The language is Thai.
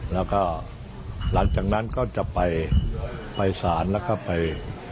แล้วก็หลังจากนั้นก็จะไปไปศาลแล้วก็ไป